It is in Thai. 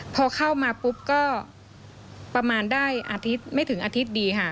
พอเข้ามาปุ๊บก็ประมาณได้อาทิตย์ไม่ถึงอาทิตย์ดีค่ะ